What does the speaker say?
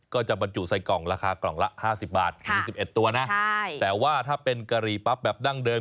ก็จะบรรจุใส่กล่องราคากล่องละ๕๐บาทมี๑๑ตัวนะแต่ว่าถ้าเป็นกะหรี่ปั๊บแบบดั้งเดิม